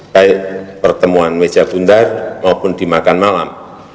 baik pertemuan meja buntar maupun dimakan malam